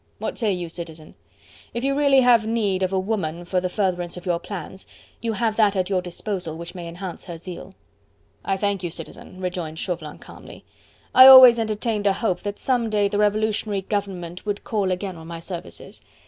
What say you, Citizen? If you really have need of a woman for the furtherance of your plans, you have that at your disposal which may enhance her zeal." "I thank you, Citizen," rejoined Chauvelin calmly. "I always entertained a hope that some day the Revolutionary Government would call again on my services.